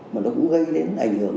mà nó cũng gây đến ảnh hưởng